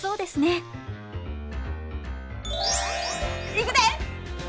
いくで！